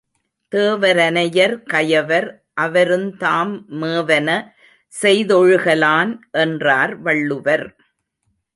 தேவரனையர் கயவர் அவருந்தாம் மேவன செய்தொழுக லான்! என்றார் வள்ளுவர்.